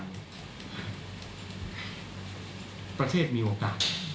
ประเทศมีวั